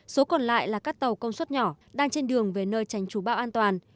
số còn lại là các tàu công suất nhỏ đang trên đường về nơi tránh trú bão an toàn